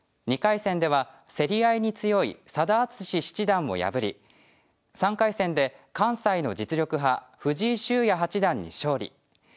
２回戦では競り合いに強い佐田篤史七段を破り３回戦で関西の実力派藤井秀哉八段に勝利。